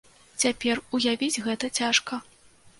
Цяпер уявіць гэта цяжка.